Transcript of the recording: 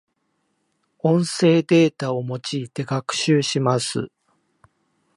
音声データを用いて学習します。